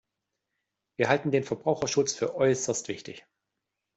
Wir halten den Verbraucherschutz für äußerst wichtig.